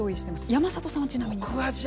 山里さんはちなみに。